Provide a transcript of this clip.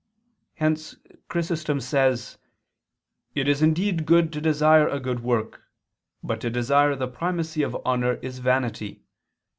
Hence Chrysostom* says: "It is indeed good to desire a good work, but to desire the primacy of honor is vanity.